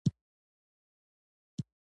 امریکا او جاپان د نړۍ په هېوادونو کې مخکې دي.